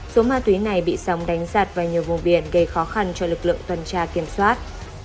số ma túy này bị sóng đánh giặt vào nhiều vùng biển gây khó khăn cho lực lượng tuần tra kiểm soát